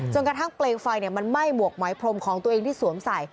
กระทั่งเปลวไฟมันไหม้หมวกไหมพรมของตัวเองที่สวมใส่